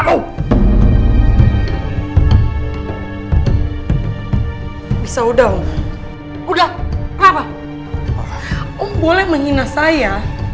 om boleh menghina saya